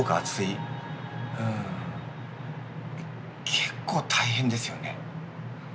結構大変ですよね。